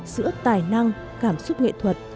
giữa tài năng cảm xúc nghệ thuật